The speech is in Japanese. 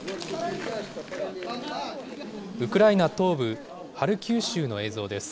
ウクライナ東部、ハルキウ州の映像です。